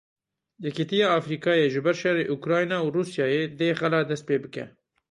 Yekîtiya Afrîkayê Ji ber şerê Ukrayna û Rûsyayê dê xela dest pê bike.